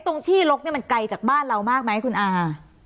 ตรงที่ลกเนี่ยมันไกลจากบ้านเรามากไหมคุณอา